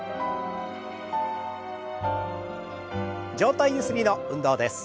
上体ゆすりの運動です。